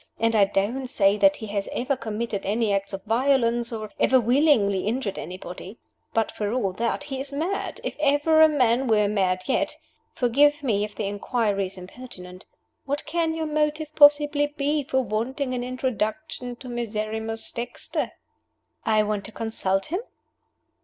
And I don't say that he has ever committed any acts of violence, or ever willingly injured anybody. But, for all that, he is mad, if ever a man were mad yet. Forgive me if the inquiry is impertinent. What can your motive possibly be for wanting an introduction to Miserrimus Dexter?" "I want to consult him?"